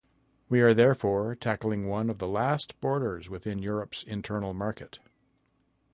We are therefore tackling one the last borders within Europe's internal market.